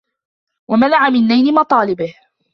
وَمَنَعَ مِنْ نَيْلِ مَطَالِبِهِ